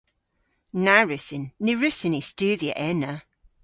Na wrussyn. Ny wrussyn ni studhya ena.